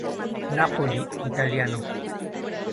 Napoli italiano.